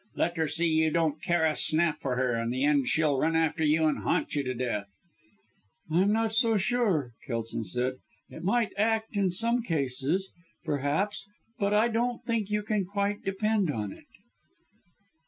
Let her see you don't care a snap for her and in the end she'll run after you and haunt you to death." "I'm not so sure," Kelson said. "It might act in some cases, perhaps, but I don't think you can quite depend on it."